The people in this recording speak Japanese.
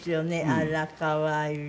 あら可愛いわね。